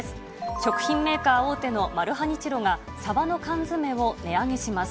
食品メーカー大手のマルハニチロが、サバの缶詰を値上げします。